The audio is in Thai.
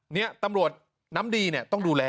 นี่ตำรวจน้ำดีเนี่ยต้องดูแล